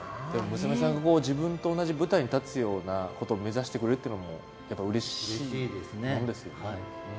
娘さんが自分と同じ舞台に立つようなことを目指してくれるのはやっぱりうれしいものですよね。